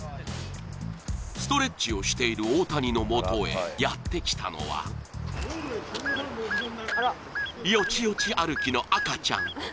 ストレッチをしている大谷のもとへやってきたのはよちよち歩きの赤ちゃん。